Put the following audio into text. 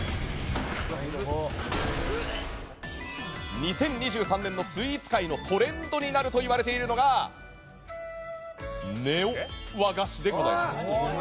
２０２３年のスイーツ界のトレンドになるといわれているのがネオ和菓子でございます。